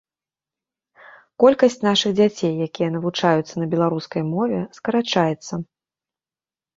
Колькасць нашых дзяцей, якія навучаюцца на беларускай мове, скарачаецца.